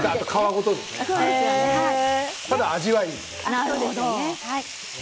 ただ味はいいです。